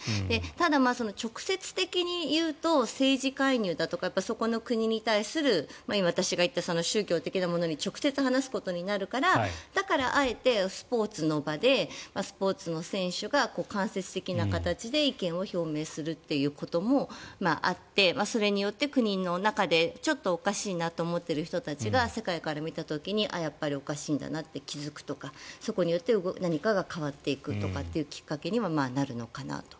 ただ、直接的に言うと政治介入だとかそこの国に対する、今私が言った宗教的なものに対する直接話すことになるからだからあえてスポーツの場でスポーツの選手が間接的な形で意見を表明するということもあってそれによって国の中でちょっとおかしいなと思ってる人たちが世界から見た時にやっぱりおかしいんだなって気付くとか、そこによって何かが変わっていくというきっかけにもなるのかなと。